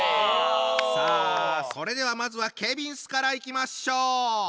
さあそれではまずはケビンスからいきましょう。